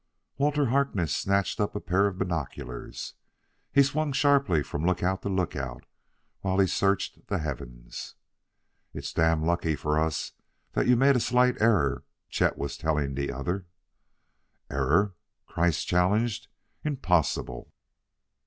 Walter Harkness had snatched up a pair of binoculars. He swung sharply from lookout to lookout while he searched the heavens. "It's damned lucky for us that you made a slight error," Chet was telling the other. "Error?" Kreiss challenged. "Impossible!"